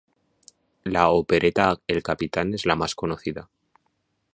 La opereta "El Capitán" es la más conocida.